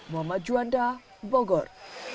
muhammad juanda bogor